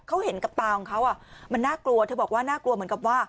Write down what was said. เขาเห็นกับตาของเขามันน่ากลัวเธอบอกว่าน่ากลัวเหมือนกับว่า